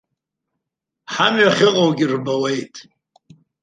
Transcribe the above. Ҳамҩа ахьыҟоугьы рбауеит.